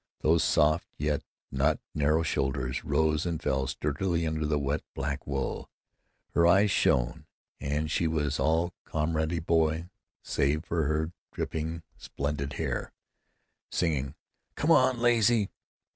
Those soft yet not narrow shoulders rose and fell sturdily under the wet black wool, her eyes shone, and she was all comradely boy save for her dripping, splendid hair. Singing, "Come on, lazy!"